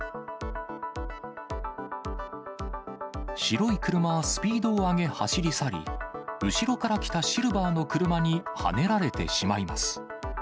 白い車はスピードを上げ走り去り、後ろから来たシルバーの車にはねられてしまいます。